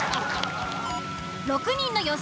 ６人の予想